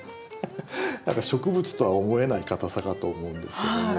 何か植物とは思えないかたさかと思うんですけども。